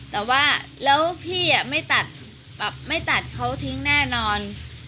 แต่ว่าแล้วพี่ไม่ตัดแบบไม่ตัดเขาทิ้งแน่นอน